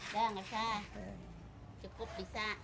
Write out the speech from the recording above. ya nggak usah cukup bisa